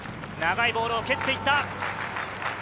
長いボールを蹴っていった。